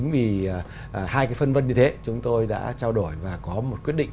và có một quyết định